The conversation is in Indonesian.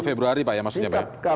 sepuluh februari pak ya maksudnya pak ya